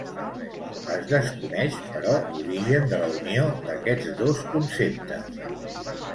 Es desconeix, però l'origen de la unió d'aquests dos conceptes.